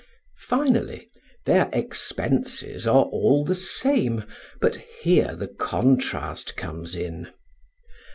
Finally, their expenses are all the same, but here the contrast comes in.